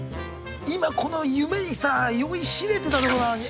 今この夢にさ酔いしれてたとこなのに。